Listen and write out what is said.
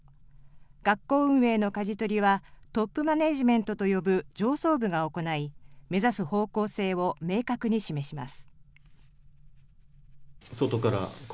学校運営のかじ取りは、トップマネージメントと呼ぶ上層部が行い、目指す方向性を明確に示します。